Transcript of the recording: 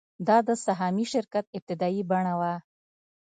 دا د سهامي شرکت ابتدايي بڼه وه